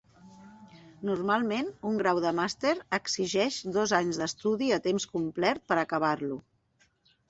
Normalment un grau de màster exigeix dos anys d'estudi a temps complet per acabar-lo.